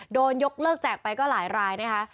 โดนยกเลิกแจกไปก็หลายรายนะคะ